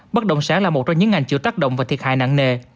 bất động sản là một trong những ngành chịu tác động và thiệt hại nặng nề